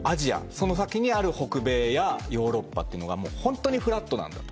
その先にある北米やヨーロッパがホントにフラットなんだと。